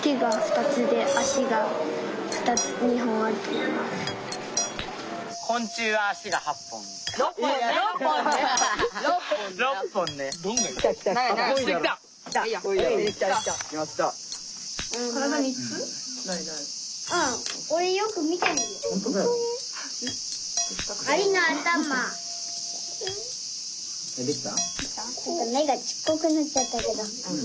目がちっこくなっちゃったけど。